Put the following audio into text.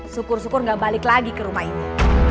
syukur syukur nggak balik lagi ke rumah ini